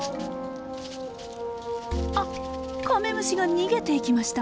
あカメムシが逃げていきました。